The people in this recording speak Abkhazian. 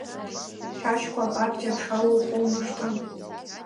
Шьашькәа апартиа дшалоу ухоумыршҭын.